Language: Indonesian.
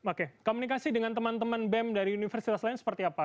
oke komunikasi dengan teman teman bem dari universitas lain seperti apa